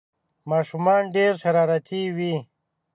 ماشومان ډېر شرارتي وي